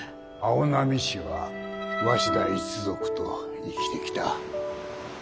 青波市は鷲田一族と生きてきた。